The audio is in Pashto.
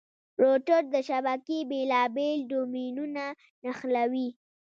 روټر د شبکې بېلابېل ډومېنونه نښلوي.